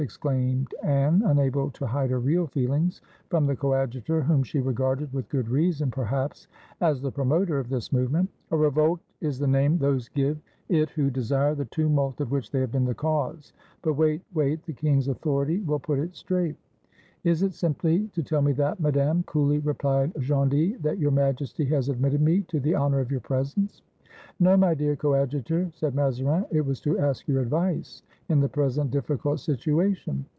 exclaimed Anne, unable to hide her real feelings from the Coadjutor, whom she regarded, with good reason, perhaps, as the promoter of this move ment. "A revolt is the name those give it who desire 259 FRANCE the tumult of which they have been the cause; but wait, wait! the king's authority will put it straight." ''Is it simply to tell me that, Madame," coolly replied Gondy, "that Your Majesty has admitted me to the honor of your presence?" "No, my dear Coadjutor," said Mazarin, "it was to ask your advice in the present difficult situation."